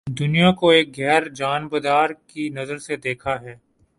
دنیا کو ایک غیر جانبدار کی نظر سے دیکھا ہے